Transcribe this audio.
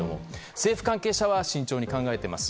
政府関係者は慎重に考えています。